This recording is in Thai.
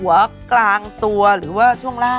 กลางตัวหรือว่าช่วงล่าง